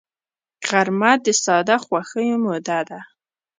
غرمه د ساده خوښیو موده ده